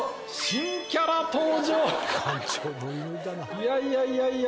いやいやいやいや。